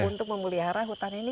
untuk memelihara hutan ini